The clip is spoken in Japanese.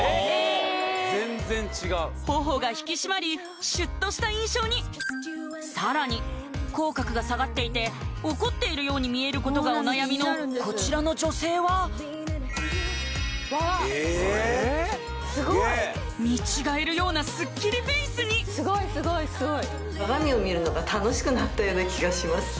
全然違う頬が引き締まりシュッとした印象にさらに口角が下がっていて怒っているように見えることがお悩みのこちらの女性はわあすごいええ見違えるようなスッキリフェイスにすごいすごいすごいような気がします